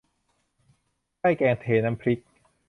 ได้แกงเทน้ำพริก